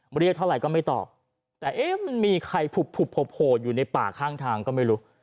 เรียกเท่าไหร่ก็ไม่ตอบแต่เอ๊ะมันมีใครผุบโผล่อยู่ในป่าข้างทางก็ไม่รู้